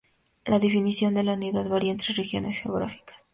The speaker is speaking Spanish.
La definición de la unidad varía entre regiones geográficas.